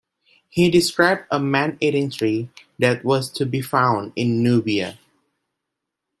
He described a "man-eating tree" that was to be found in "Nubia".